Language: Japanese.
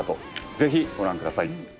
ぜひご覧ください。